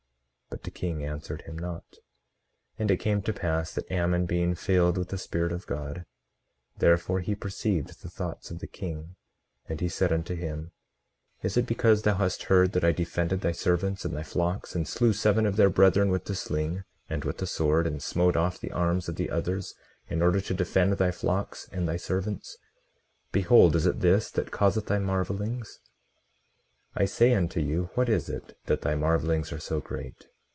But the king answered him not. 18:16 And it came to pass that Ammon, being filled with the Spirit of God, therefore he perceived the thoughts of the king. And he said unto him: Is it because thou hast heard that I defended thy servants and thy flocks, and slew seven of their brethren with the sling and with the sword, and smote off the arms of others, in order to defend thy flocks and thy servants; behold, is it this that causeth thy marvelings? 18:17 I say unto you, what is it, that thy marvelings are so great?